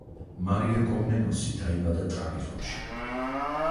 მარია კომნენოსი დაიბადა ტრაპიზონში.